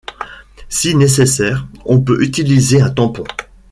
Si nécessaire, on peut utiliser un tampon.